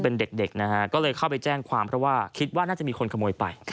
เป็นเด็กนะฮะก็เลยเข้าไปแจ้งความเพราะว่าคิดว่าน่าจะมีคนขโมยไป